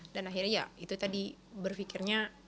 dan akhirnya ya itu tadi berpikirnya